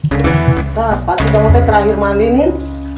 kak panci rambutnya terakhir mandi min